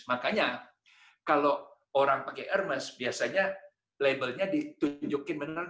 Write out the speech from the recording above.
makanya kalau orang pakai hermes biasanya label nya ditunjukkan benar tidak